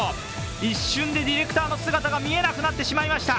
一瞬でディレクターの姿が見えなくなってしまいました。